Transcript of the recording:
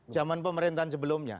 zaman pemerintahan sebelumnya